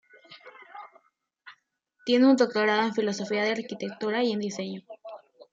Tiene un doctorado en filosofía de la arquitectura y en diseño.